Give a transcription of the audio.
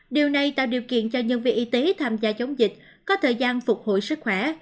điều này tạo điều kiện cho nhân viên y tế tham gia chống dịch có thời gian phục hồi sức khỏe